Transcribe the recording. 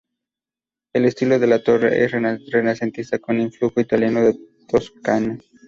El estilo de la torre es renacentista con influjo italiano de Toscana.